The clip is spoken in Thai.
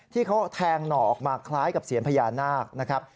ที่เขาแทงหน่อออกมาคล้ายกับเสียญพญานาคนะครับ